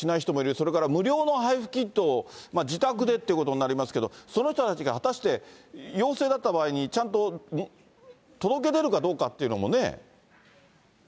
それから無料の配布キットを自宅でってことになりますけど、その人たちが果たして、陽性だった場合に、ちゃんと届け出るかどうかっていうのもね。